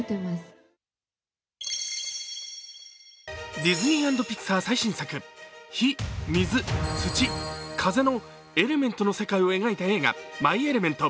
ディズニー＆ピクサー最新作、火・水・土・風のエレメントの世界を描いた映画「マイ・エレメント」。